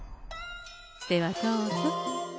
ではどうぞ。